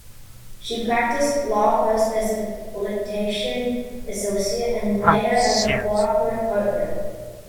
She practised law first as a litigation associate and later as a corporate partner.